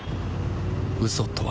嘘とは